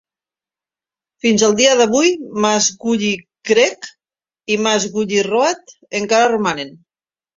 Fins al dia d'avui, Mast Gully Creek i Mast Gully Road encara romanen.